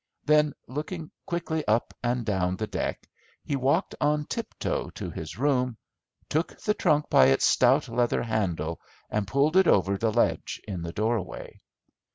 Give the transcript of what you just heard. Then looking quickly up and down the deck, he walked on tip toe to his room, took the trunk by its stout leather handle and pulled it over the ledge in the doorway.